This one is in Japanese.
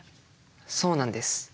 そうなんです。